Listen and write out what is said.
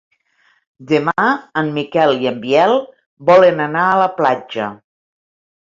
Demà en Miquel i en Biel volen anar a la platja.